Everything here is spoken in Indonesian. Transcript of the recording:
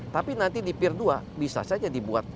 tapi nanti di pier dua bisa saja dibuat